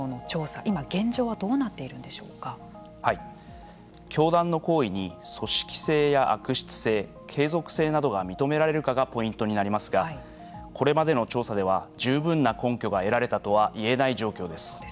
今、現状は教団の行為に組織性や悪質性継続性などが認められるかがポイントになりますがこれまでの調査では十分な根拠が得られたとは言えない状況です。